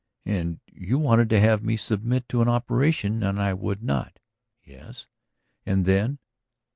"And you wanted to have me submit to an operation? And I would not?" "Yes." "And then